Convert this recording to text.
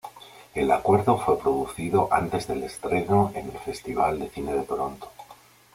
El acuerdo fue producido antes del estreno en el Festival de Cine de Toronto.